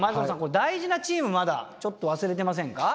大事なチームまだちょっと忘れてませんか？